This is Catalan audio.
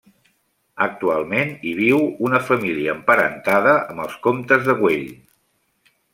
Actualment hi viu una família emparentada amb els Comtes de Güell.